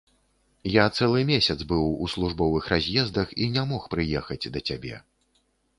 Я цэлы месяц быў у службовых раз'ездах і не мог прыехаць да цябе.